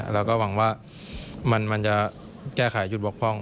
เราก็หวังว่ามันจะแก้ไขจุดบกพร่อง